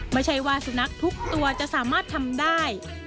ไม่ใช่ว่าสุนัขทุกตัวจะสามารถทำได้